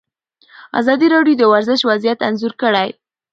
ازادي راډیو د ورزش وضعیت انځور کړی.